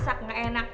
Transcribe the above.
masak gak enak